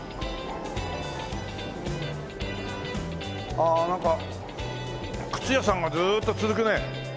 ああなんか靴屋さんがずっと続くね。